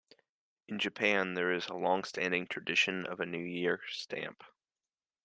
In Japan, there is a longstanding tradition of a New Years stamp.